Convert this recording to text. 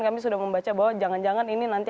kami sudah membaca bahwa jangan jangan ini nanti